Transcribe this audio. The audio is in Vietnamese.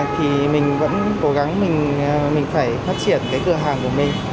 thì mình vẫn cố gắng mình phải phát triển cái cửa hàng của mình